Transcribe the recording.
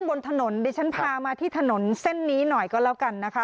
บนถนนดิฉันพามาที่ถนนเส้นนี้หน่อยก็แล้วกันนะคะ